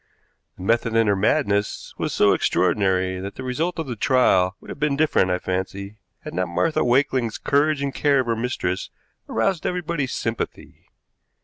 The method in her madness was so extraordinary that the result of the trial would have been different, I fancy, had not Martha Wakeling's courage and care of her mistress aroused everybody's sympathy.